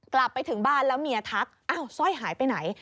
กลับไปถึงบ้านแล้วเมียทักอ้าวสร้อยหายไปไหน